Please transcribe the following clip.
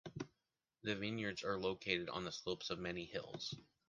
The vineyards are located on the slopes of many hills.